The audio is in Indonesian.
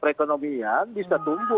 perekonomian bisa tumbuh